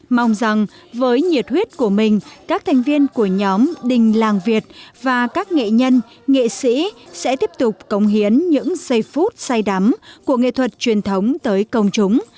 mong rằng với nhiệt huyết của mình các thành viên của nhóm đình làng việt và các nghệ nhân nghệ sĩ sẽ tiếp tục cống hiến những giây phút say đắm của nghệ thuật truyền thống tới công chúng